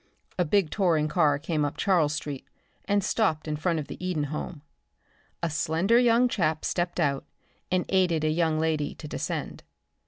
A big touring car came up Charles street and stopped in front of the Eden home. A slender young chap stepped out and aided a young lady to descend.